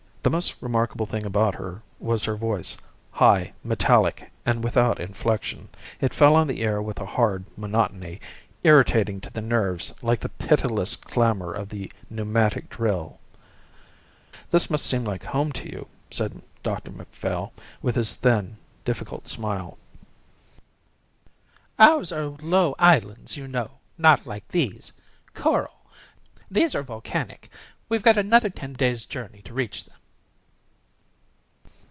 The most remarkable thing about her was her voice, high, metallic, and without inflection; it fell on the ear with a hard monotony, irritating to the nerves like the pitiless clamour of the pneumatic drill. "This must seem like home to you," said Dr Macphail, with his thin, difficult smile. "Ours are low islands, you know, not like these. Coral. These are volcanic. We've got another ten days' journey to reach them."